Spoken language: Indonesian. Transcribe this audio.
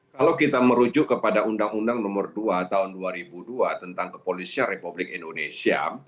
kalau kita merujuk kepada undang undang nomor dua tahun dua ribu dua tentang kepolisian republik indonesia